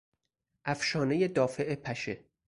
افشانهی دافع پشه